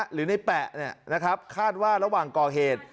หรือในแปะคาดว่าระหว่างก่อเหตุ